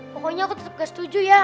pokoknya aku tetap gak setuju ya